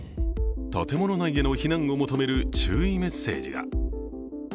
建物内への避難を求める注意メッセージが。